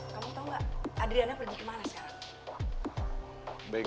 kamu tau gak adriana pergi kemana sekarang